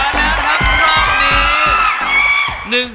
วันนั้นครับรอบนี้